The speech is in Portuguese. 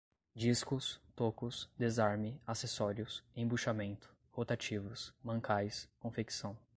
discos, tocos, desarme, acessórios, embuchamento, rotativos, mancais, confecção